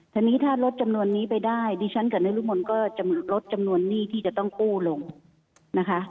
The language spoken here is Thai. ทีนี้ถ้าลดจำนวนนี้ไปได้ดิฉันกับนรุมลก็จะลดจำนวนหนี้ที่จะต้องกู้ลงนะคะ